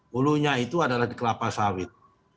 hulunya itu adalah di kelapa sawit